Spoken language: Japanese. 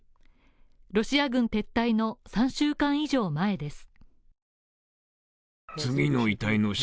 ロシア軍撤退の３週間以上前です。